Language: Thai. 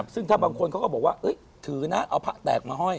ซึ่งถ้าบางคนก็บอกว่าเอ้ยถือนะเอาคราะห์แตกมาให้